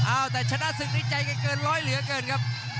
อ้าวแต่ชนะศึกในใจกันเกินร้อยเหลือเกินครับ